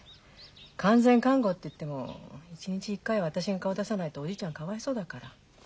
完全看護って言っても１日１回は私が顔出さないとおじいちゃんかわいそうだから。